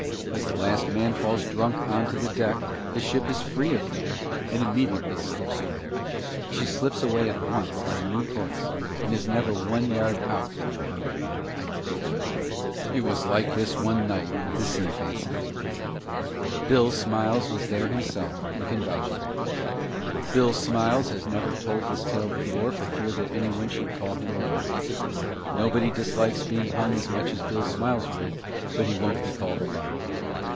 As the last man falls drunk on to the deck, the ship is free of man, and immediately slips away. She slips away at once on a new course and is never one yard out in a hundred miles. It was like this one night with the Sea Fancy. Bill Smiles was there himself, and can vouch for it. Bill Smiles has never told this tale before for fear that anyone should call him a liar. Nobody dislikes being hung as much as Bill Smiles would, but he won't be called a liar.